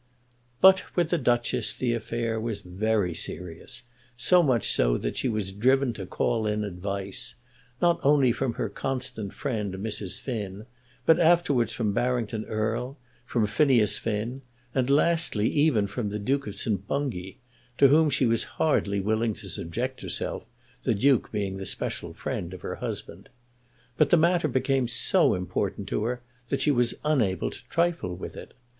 But with the Duchess the affair was very serious, so much so that she was driven to call in advice, not only from her constant friend, Mrs. Finn, but afterwards from Barrington Erle, from Phineas Finn, and lastly even from the Duke of St. Bungay, to whom she was hardly willing to subject herself, the Duke being the special friend of her husband. But the matter became so important to her that she was unable to trifle with it.